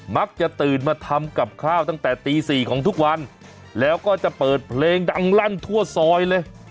มักจะตื่นมาทำกับข้าวตั้งแต่ตี๔ของทุกวันแล้วก็จะเปิดเพลงดังลั่นทั่วซอยเลย